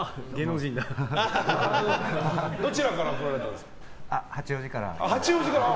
どちらから来られたんですか？